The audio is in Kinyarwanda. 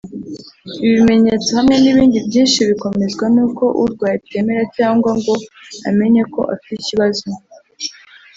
Ibi bimenyetso hamwe n’ibindi byinshi bikomezwa n’uko urwaye atemera cyangwa ngo amenye ko afite ikibazo